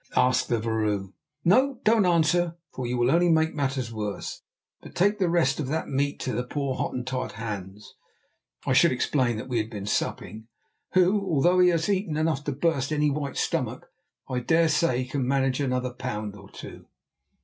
asked the vrouw. "No, don't answer, for you will only make matters worse; but take the rest of that meat to the poor Hottentot, Hans"—I should explain that we had been supping—"who, although he has eaten enough to burst any white stomach, I dare say can manage another pound or two."